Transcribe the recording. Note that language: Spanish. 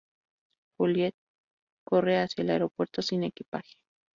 Juliet corre hacia el aeropuerto sin equipaje.